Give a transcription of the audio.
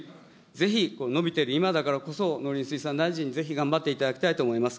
ぜひ伸びてる今だからこそ、農林水産大臣にぜひ頑張っていただきたいと思います。